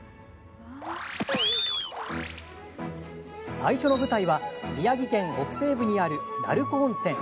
最初の舞台は宮城県北西部にある鳴子温泉。